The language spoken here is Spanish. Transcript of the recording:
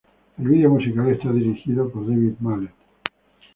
El video musical está dirigido por David Mallet.